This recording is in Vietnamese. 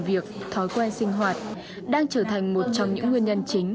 việc thói quen sinh hoạt đang trở thành một trong những nguyên nhân chính